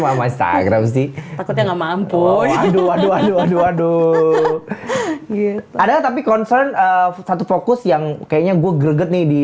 ngambek waduh waduh waduh waduh ada tapi concern of satu fokus yang kayaknya gue gede nih di